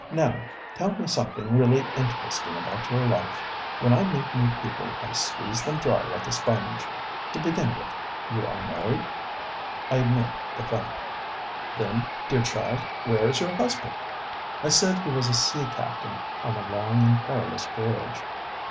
Now, tell me something really interesting about your life. When I meet new people I squeeze them dry like a sponge. To begin withŌĆöyou are married. ŌĆØ I admitted the fact. ŌĆ£Then, dear child, where is your husband? ŌĆØ I said he was a sea captain on a long and perilous voyage.